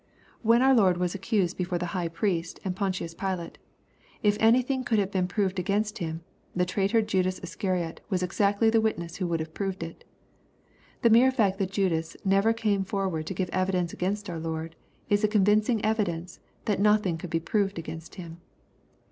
When our Lord was accused before the High Priest and Pontius Pilate, if anything could have been proved against Him, the traitor Judas Iscariot was exactly the witness who would have proved it. The mere fact that Judas never came forward to give evidence against our Lord, is a convincing evidence that nothing could be proved against Him.